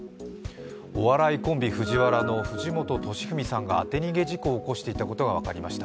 お笑いコンビ・ＦＵＪＩＷＡＲＡのフジモンこと藤本敏史さんが当て逃げ事故を起こしていたことが分かりました。